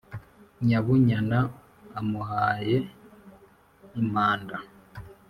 Nyabunyana amuhaye impamba